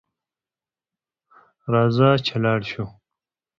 راځه چي ولاړ سو .